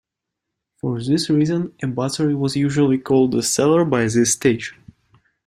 For this reason, a buttery was usually called the cellar by this stage.